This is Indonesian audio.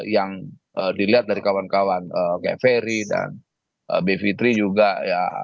yang dilihat dari kawan kawan kayak ferry dan b fitri juga ya